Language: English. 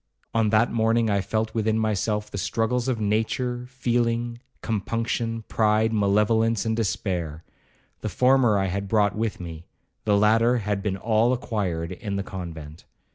—on that morning I felt within myself the struggles of nature, feeling, compunction, pride, malevolence, and despair.—The former I had brought with me, the latter had been all acquired in the convent.